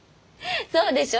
そうでしょ？